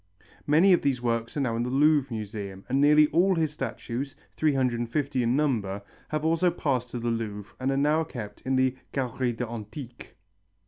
Many of these works are now in the Louvre Museum and nearly all his statues, 350 in number, have also passed to the Louvre and are now kept in the Galérie des Antiques.